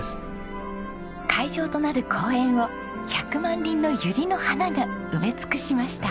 会場となる公園を１００万輪のユリの花が埋め尽くしました。